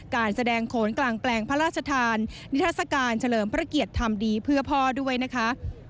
การแสดงโขนกลางแปลงพระราชทานนิทัศกาลเฉลิมพระเกียรติทำดีเพื่อพ่อด้วยนะคะ